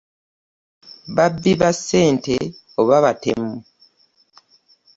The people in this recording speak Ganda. Babbi ba ssente oba batemu?